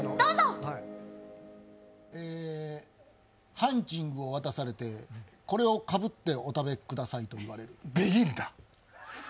ハンチングを渡されてこれをかぶってお食べくださいと言われる。